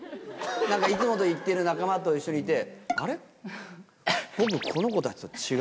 いつもと行ってる仲間と一緒にいて。